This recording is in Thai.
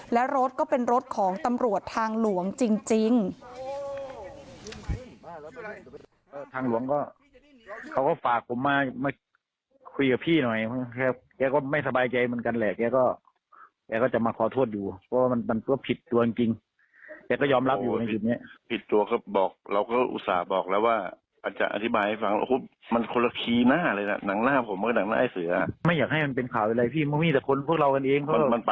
แล้วรถก็เป็นรถของตำรวจทางหลวงจริง